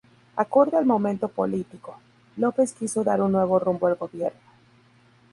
Acorde al momento político, López quiso dar un nuevo rumbo al gobierno.